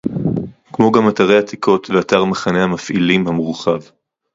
כמו גם אתרי עתיקות ואתר מחנה המפעילים המורחב